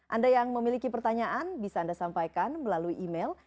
anda yang memiliki pertanyaan bisa anda sampaikan melalui email